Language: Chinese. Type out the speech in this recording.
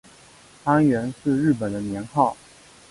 安元是日本的年号。